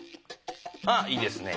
ああいいですね。